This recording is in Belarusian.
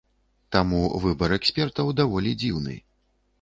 Таму выбар экспертаў даволі дзіўны.